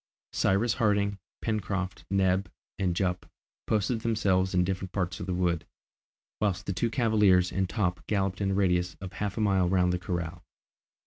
Cyrus Harding, Pencroft, Neb, and Jup, posted themselves in different parts of the wood, whilst the two cavaliers and Top galloped in a radius of half a mile round the corral.